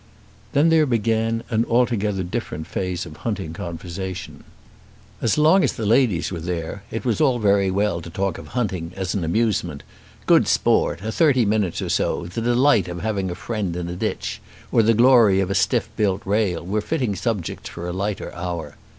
Then there began an altogether different phase of hunting conversation. As long as the ladies were there it was all very well to talk of hunting as an amusement; good sport, a thirty minutes or so, the delight of having a friend in a ditch, or the glory of a stiff built rail were fitting subjects for a lighter hour.